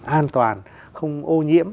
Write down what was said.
an toàn không ô nhiễm